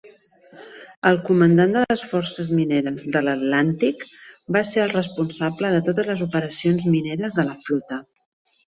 El comandant de les Forces Mineres de l'Atlàntic va ser el responsable de totes les operacions mineres de la flota.